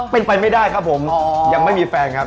เป็นไปไม่ได้ครับผมยังไม่มีแฟนครับ